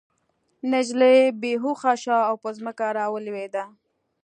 نجلۍ بې هوښه شوه او په ځمکه راولوېده